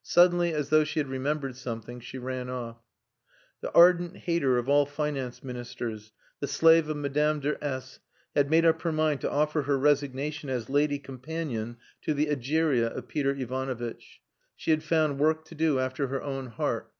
Suddenly, as though she had remembered something, she ran off. The ardent hater of all Finance ministers, the slave of Madame de S , had made up her mind to offer her resignation as lady companion to the Egeria of Peter Ivanovitch. She had found work to do after her own heart.